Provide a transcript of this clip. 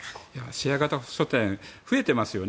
シェア型書店増えてますよね。